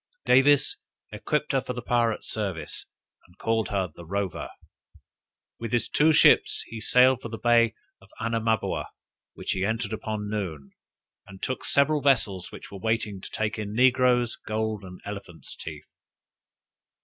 Davis equipped her for the pirate service, and called her "The Rover." With his two ships he sailed for the bay of Anamaboa, which he entered about noon, and took several vessels which were there waiting to take in negroes, gold, and elephants' teeth.